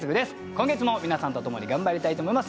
今月も皆さんとともに頑張りたいと思います。